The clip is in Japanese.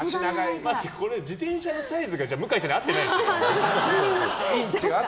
まず自転車のサイズが向井さんに合ってない。